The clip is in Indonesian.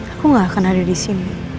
aku gak akan ada di sini